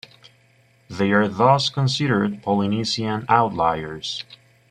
They are thus considered Polynesian outliers.